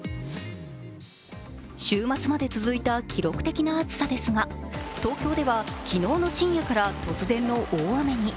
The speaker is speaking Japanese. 週末まで続いた記録的な暑さですが、東京では昨日の深夜から突然の雨に。